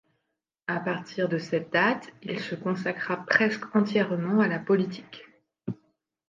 À partir de cette date, il se consacra presque entièrement à la politique.